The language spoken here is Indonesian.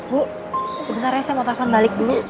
bu sebenarnya saya mau telfon balik dulu